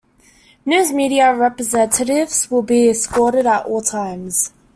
News media representatives will be escorted at all times.